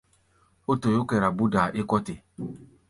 Ó toyó kɛra búdaa é kɔ́ te.